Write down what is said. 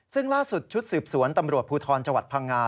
ซึ่งล่าสุดชุดสืบสวนตำรวจภูทรจังหวัดพังงา